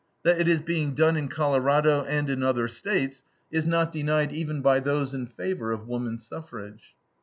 That it is being done in Colorado and in other States, is not denied even by those in favor of woman suffrage.